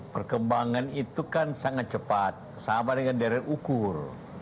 perkembangan itu kan sangat cepat sama dengan daerah ukur